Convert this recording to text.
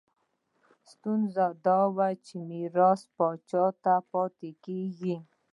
ستونزه دا ده چې میراث پاچا ته پاتې کېږي.